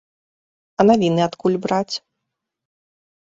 А навіны адкуль браць?